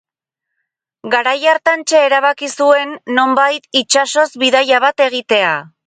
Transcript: Garai hartantxe erabaki zuen, nonbait, itsasoz bidaia bat egitea.